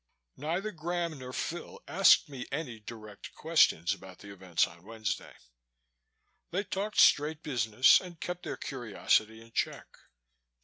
Neither Graham nor Phil asked me any direct questions about the events on Wednesday. They talked straight business and kept their curiosity in check.